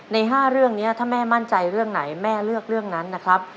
ใน๕เรื่องนี้ถ้าแม่มั่นใจเรื่องไหนแม่เลือกเรื่องนั้นนะครับ